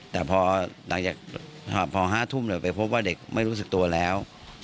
แต่พอห้าทุ่มไปพบว่าเด็กไม่รู้สึกตัวแล้ว